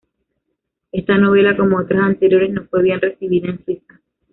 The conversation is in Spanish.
Esta novela, como otras anteriores, no fue bien recibida en Suiza.